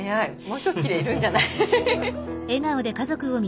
もうひと切れ要るんじゃない？